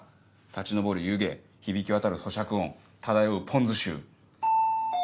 立ち上る湯気響き渡る咀嚼音漂うポン酢臭。